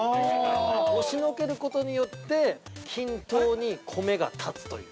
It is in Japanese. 押しのけることによって、均等に米が立つという。